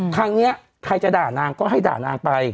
ครั้งนี้ใครจะด่านางก็ให้ด่านางไป